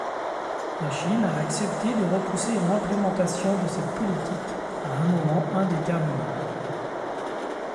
La Chine a accepté de repousser l'implémentation de cette politique à un moment indéterminé.